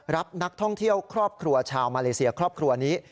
รับนักท่องเที่ยวครอบครัวชาวมาเลเซียครอบครัวนี้